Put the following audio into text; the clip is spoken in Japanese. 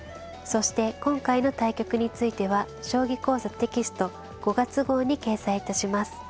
そして今回の対局については「将棋講座」テキスト５月号に掲載致します。